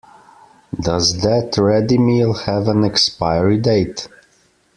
Does that ready meal have an expiry date?